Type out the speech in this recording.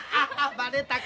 バレたか。